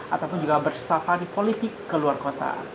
ataupun juga bersafari politik ke luar kota